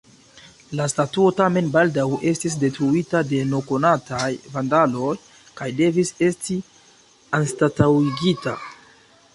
La statuo tamen baldaŭ estis detruita de nekonataj vandaloj kaj devis esti anstataŭigita.